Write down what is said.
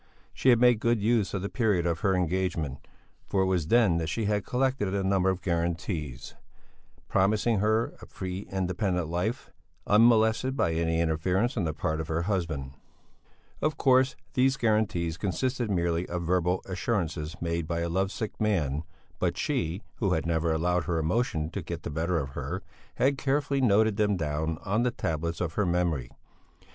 She had made good use of the period of her engagement, for it was then that she had collected a number of guarantees, promising her a free and independent life, unmolested by any interference on the part of her husband. Of course these guarantees consisted merely of verbal assurances made by a love sick man, but she, who had never allowed her emotion to get the better of her, had carefully noted them down on the tablets of her memory.